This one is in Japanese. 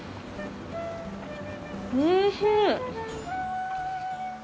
おいしい。